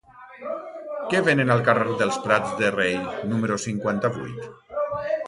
Què venen al carrer dels Prats de Rei número cinquanta-vuit?